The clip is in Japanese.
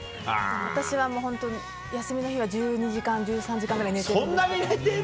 私は休みの日は１２時間１３時間ぐらい寝てます。